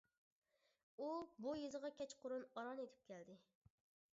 ئۇ بۇ يېزىغا كەچقۇرۇن ئاران يېتىپ كەلدى.